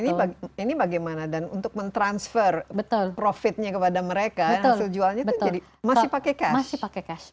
ini bagaimana dan untuk mentransfer profitnya kepada mereka hasil jualnya itu jadi masih pakai cash